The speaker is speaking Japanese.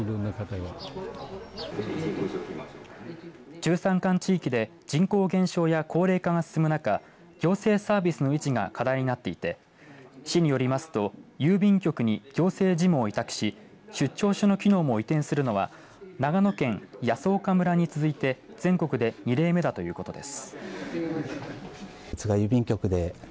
中山間地域で人口減少や高齢化が進むなか行政サービスの維持が課題になっていて市によりますと郵便局に行政事務を委託し出張所の機能も移転するのは長野県泰阜村に続いて全国で２例目だということです。